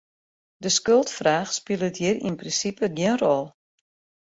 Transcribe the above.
De skuldfraach spilet hjir yn prinsipe gjin rol.